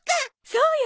そうよ！